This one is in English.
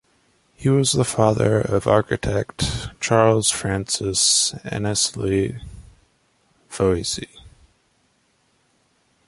He was the father of architect Charles Francis Annesley Voysey.